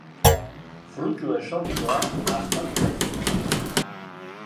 Fruitu exotikoak dasdatu nahi zituen.